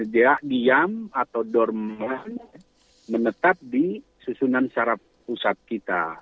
dia diam atau dormon menetap di susunan syaraf pusat kita